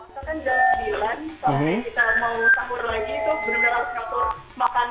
kalau kita mau sahur lagi itu benar benar harus ngatur makanannya